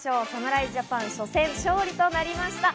侍ジャパンの初戦、勝利となりました。